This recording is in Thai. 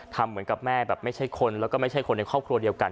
ทำเหมือนกับแม่แบบไม่ใช่คนแล้วก็ไม่ใช่คนในครอบครัวเดียวกัน